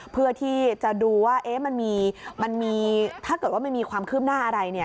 เพื่อที่จะดูว่ามันมีถ้าเกิดว่ามันมีความคืบหน้าอะไรเนี่ย